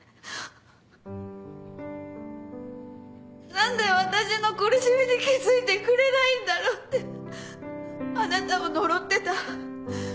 何で私の苦しみに気付いてくれないんだろうってあなたを呪ってた。